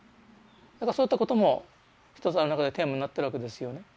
だからそういったことも一つあの中でテーマになってるわけですよね。